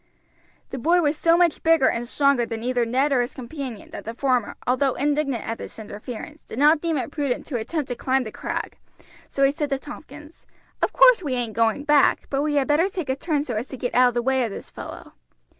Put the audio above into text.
The boy was so much bigger and stronger than either Ned or his companion that the former, although indignant at this interference, did not deem it prudent to attempt to climb the crag, so he said to Tompkins: "Of course we ain't going back, but we had better take a turn so as to get out of the way of this fellow."